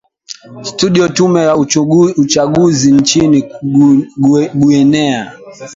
studio tume ya uchaguzi nchini guinea